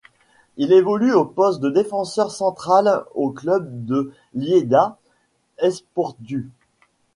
Il évolue au poste de défenseur central au club de Lleida Esportiu.